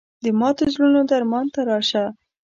د ماتو زړونو درمان ته راشه